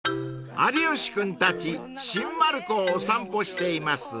［有吉君たち新丸子をお散歩しています］